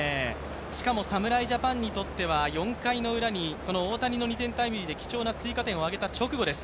しかも、侍ジャパンにとっては４回のウラにその大谷の２点タイムリーで貴重な追加点を挙げた直後です。